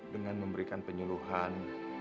dengan memberikan penyuluhan